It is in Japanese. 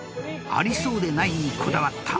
［ありそうでないにこだわった